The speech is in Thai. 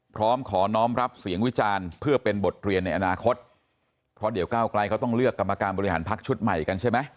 พร้อมขอน้องรับเสียงวิจารณ์เพื่อเป็นบทเรียนในอนาคตเพราะเดี๋ยวก้าวไกลเขาต้องเลือกกรรมการบริหารพักชุดใหม่กันใช่ไหม